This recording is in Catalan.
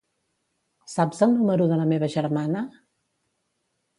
Saps el número de la meva germana?